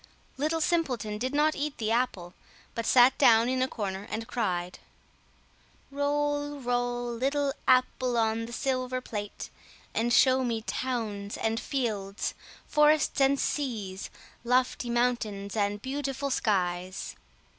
Little Simpleton did not eat the apple, but sat down in a corner and cried— "Roll, roll, little apple on the silver plate, and show me towns and fields, forests and seas, lofty mountains and beautiful skies."